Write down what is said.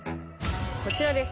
こちらです。